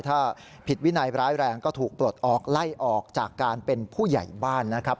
ถ้าผิดวินัยร้ายแรงก็ถูกปลดออกไล่ออกจากการเป็นผู้ใหญ่บ้านนะครับ